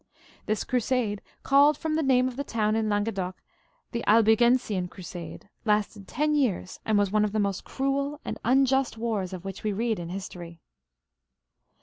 This crusade, called from the name of a town in Lan guedoc the Albigensian Crusade, lasted ten years, and was one of the most cruel and unjust wars of which we read inhistoiy.